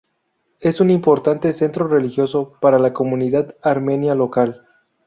Es un importante centro religioso para la comunidad armenia local.